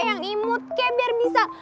yang imut kek biar bisa